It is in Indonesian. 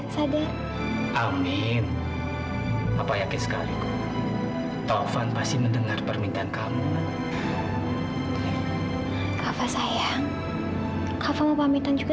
sampai jumpa di video selanjutnya